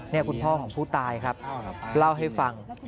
นี่คุณพ่อของผู้ตายครับเล่าให้ฟัง